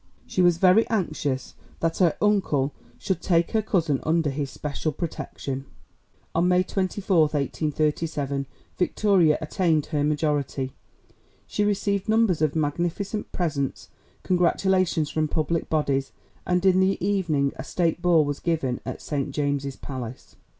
She was very anxious that her uncle should take her cousin under his special protection. On May 24, 1837, Victoria attained her majority. She received numbers of magnificent presents, congratulations from public bodies, and in the evening a State Ball was given at St James's Palace.